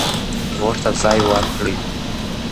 نوښت ته ځای ورکړئ.